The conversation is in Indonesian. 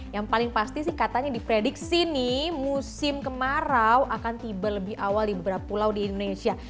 yang paling pasti sih katanya diprediksi nih musim kemarau akan tiba lebih awal di beberapa pulau di indonesia